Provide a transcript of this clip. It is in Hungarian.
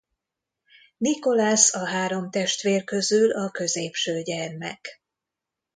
Nicholas a három testvér közül a középső gyermek.